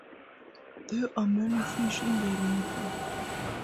There are many fish in the river.